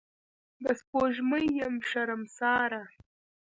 د سپوږمۍ یم شرمساره